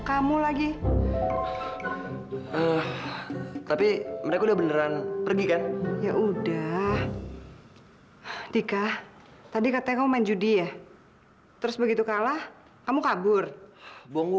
kamu memang membawa kebahagiaan tersendiri buat mama sayang